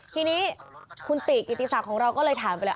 ทีนี้คุณติกิติศักดิ์ของเราก็เลยถามไปแล้ว